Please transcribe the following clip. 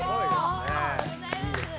ありがとうございます！